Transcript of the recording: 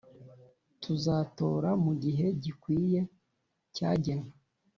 Tuzatora mugihe gikwiye cyagenwe